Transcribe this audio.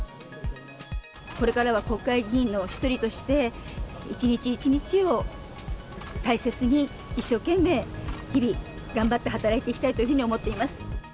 これからは国会議員の一人として、一日一日を大切に、一生懸命、日々、頑張って働いていきたいというふうに思っています。